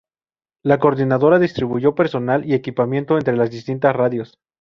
La coordinadora distribuyó personal y equipamiento entre las distintas radios.